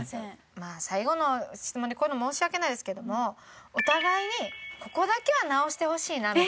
まあ最後の質問でこういうの申し訳ないですけどもお互いにここだけは直してほしいなみたいな。